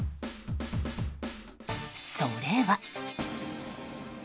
それは。